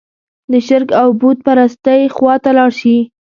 د شرک او بوت پرستۍ خوا ته لاړ شي.